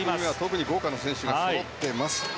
特に豪華な選手がそろっています。